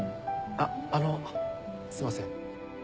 あっあのすいません。